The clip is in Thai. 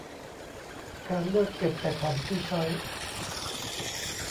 การเลือกเก็บแต่ของที่ใช้